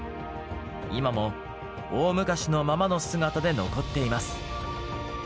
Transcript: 今も大昔のままの姿で残っています。